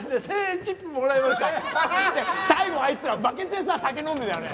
最後あいつらバケツでさ酒飲んでたよね。